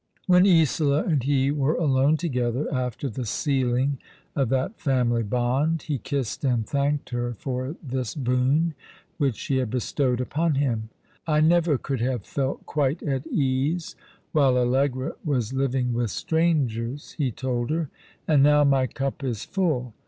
When Isola and he were alone together after the sealing of that family bond, he kissed and thanked her for this boon which she had bestowed upon him. *' I never could have felt quite at ease while Allegra was l\Iy Prolic Falcon, ivith Bright Eyes. 1 1 J living with strangers," he told her. " And now my cup is full.